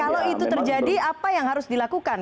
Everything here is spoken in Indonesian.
kalau itu terjadi apa yang harus dilakukan